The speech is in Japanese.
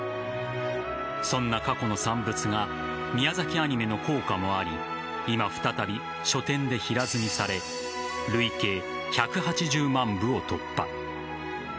そんな過去の産物が宮崎アニメの効果もあり今、再び書店で平積みされ累計１８０万部を突破。